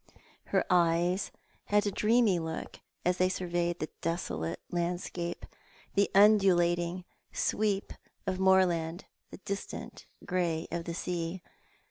Her eyes had a dreamy look as they surveyed the desolate landscape, the undulating sweep of moorland, the distant grey of the sea.